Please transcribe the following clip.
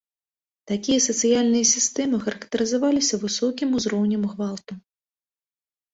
Такія сацыяльныя сістэмы характарызаваліся высокім узроўнем гвалту.